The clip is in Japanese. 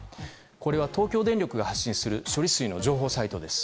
これは東京電力が発信する処理水の情報サイトです。